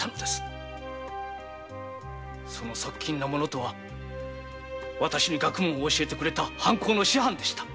その側近の者とはわたしに学問を教えてくれた藩校の師範でした。